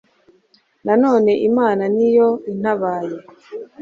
none imana ni yo intabaye